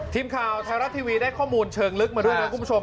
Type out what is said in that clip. ทีมข่าวไทยรัฐทีวีได้ข้อมูลเชิงลึกมาด้วยนะคุณผู้ชม